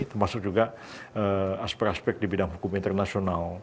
termasuk juga aspek aspek di bidang hukum internasional